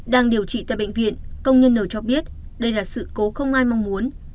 đang điều trị tại bệnh viện công nhân n cho biết đây là sự cố không ai mong muốn